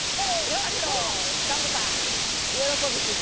ちょっとサボさんよろこびすぎ。